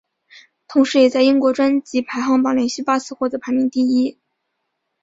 同时也在英国专辑排行榜连续八次获得排名第一。